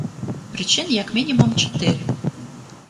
Прычын як мінімум чатыры.